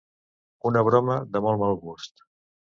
Una broma ‘de molt mal gust’